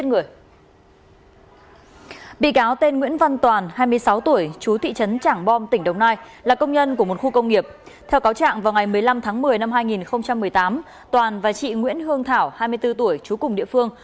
theo cáo trạng vào ngày một mươi năm tháng một mươi năm hai nghìn một mươi tám toàn và chị nguyễn hương thảo hai mươi bốn tuổi chú cùng địa phương